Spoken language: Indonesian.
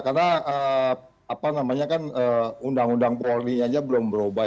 karena apa namanya kan undang undang polri aja belum berubah